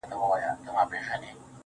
ما په اول ځل هم چنداني گټه ونه کړه.